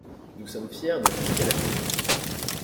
Nous sommes fiers de tout ce qu'elle accomplit.